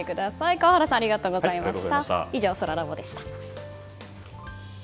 川原さんありがとうございました。